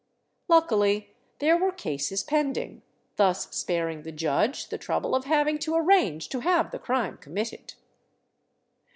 Luckily there were cases pending, thus sparing the judge the trouble of having to arrange to have the crime committed.